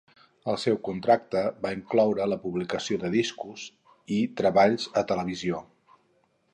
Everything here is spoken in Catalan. El seu contracte va incloure la publicació de discos i treballs a televisió.